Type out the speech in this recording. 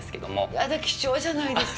やだ、貴重じゃないですか。